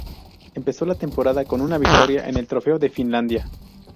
Empezó la temporada con una victoria en el Trofeo de Finlandia.